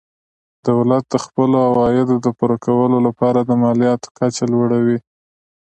دولت د خپلو عوایدو د پوره کولو لپاره د مالیاتو کچه لوړوي.